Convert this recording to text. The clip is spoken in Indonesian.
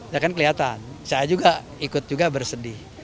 ya kan kelihatan saya juga ikut juga bersedih